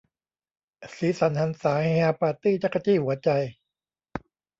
สีสันหรรษา เฮฮาปาร์ตี้ จั๊กจี้หัวใจ